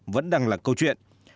vẫn đang là câu chuyện